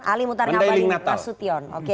ali mutar ngabalin nasution